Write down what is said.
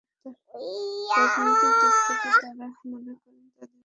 রাজনৈতিক দিক থেকে তারা মনে করে, তাদের একমাত্র শত্রু গণতান্ত্রিক শাসনব্যবস্থা।